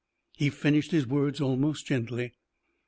He finished his words almost gently.